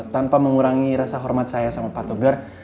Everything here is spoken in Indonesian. tanpa mengurangi rasa hormat saya sama pak togar